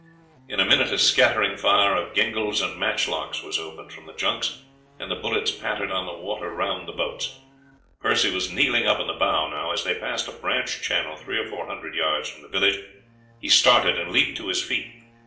In a minute a scattering fire of gingals and matchlocks was opened from the junks and the bullets pattered on the water round the boats. Percy was kneeling up in the bow now. As they passed a branch channel three or four hundred yards from the village, he started and leaped to his feet.